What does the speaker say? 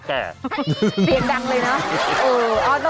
เสียงดังเลยเนอะ